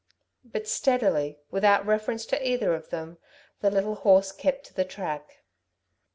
But steadily, without reference to either of them, the little horse kept to the track.